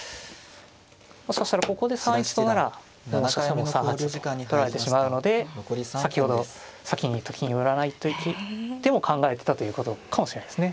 もしかしたらここで３一とならもしかしたら３八とと取られてしまうので先ほど先にと金を寄らないという手も考えてたということかもしれないですね。